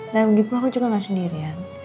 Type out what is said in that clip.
dan begitu aku juga gak sendirian